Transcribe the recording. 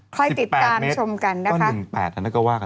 ค่อยติดกันชมกันนะคะ